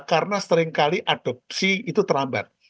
karena seringkali adopsi itu terlambat